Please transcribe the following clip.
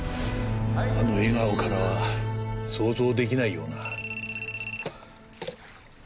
あの笑顔からは想像出来ないような。